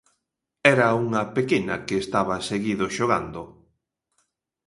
Era unha pequena que estaba seguido xogando.